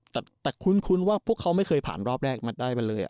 แต่คุ้นว่าพวกเขาไม่เคยผ่านรอบแรกมาได้มาเลย